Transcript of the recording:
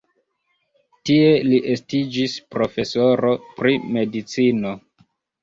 Tie li estiĝis profesoro pri medicino.